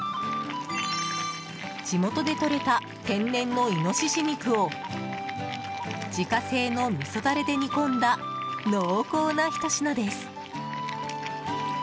地元でとれた天然のイノシシ肉を自家製のみそダレで煮込んだ濃厚な一品です。